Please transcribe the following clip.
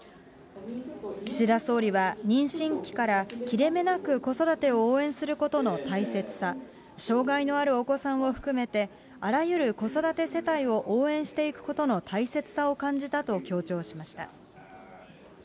岸田総理は、妊娠期から切れ目なく子育てを応援することの大切さ、障害のあるお子さんを含めて、あらゆる子育て世帯を応援していくことの大切さを感じたと強調しました。